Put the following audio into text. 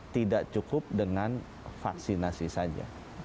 tidak cukup dengan vaksinasi saja